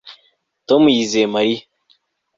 Tom yizeye Mariya